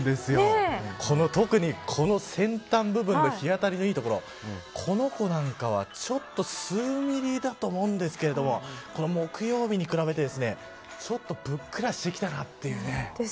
特にこの先端部分の日当たりのいいところこの子なんかはちょっと数ミリだと思うんですけど木曜日に比べてちょっとふっくらしてきたなっていうね。